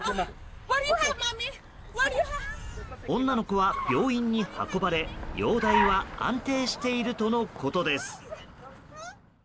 女の子は病院に運ばれ容体は安定しているとのことです。